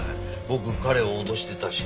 僕彼を脅してたし。